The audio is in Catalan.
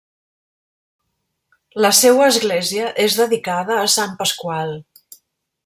La seua església és dedicada a Sant Pasqual.